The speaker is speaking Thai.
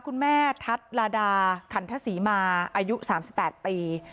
คุณแม่ทัศน์ลาดาขันทศรีมาอายุ๓๘ปี